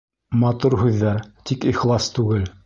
Матур һүҙҙәр, тик ихлас түгел.